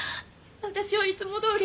私はいつもどおり。